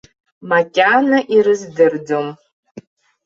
Макьана ирыздырӡом.